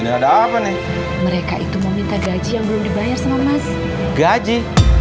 ini ada apa nih mereka itu meminta gaji yang belum dibayar sama mas gaji